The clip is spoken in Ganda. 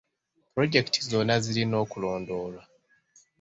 Pulojekiti zonna zirina okulondoolwa.